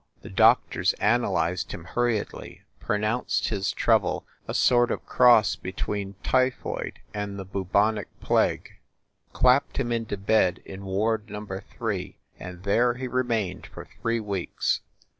The doctors analyzed him hurriedly, pronounced his trouble a sort of cross between typhoid and the bubonic plague clapped him into bed in ward num ber three, and there he remained for three weeks.